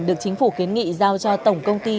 được chính phủ kiến nghị giao cho tổng công ty